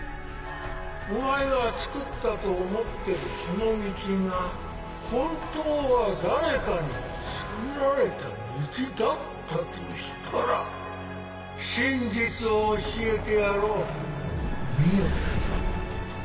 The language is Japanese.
お前がつくったと思ってるその道が本当は誰かにつくられた道だったとしたら真実を教えてやろう見よ！